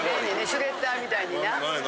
シュレッダーみたいにな。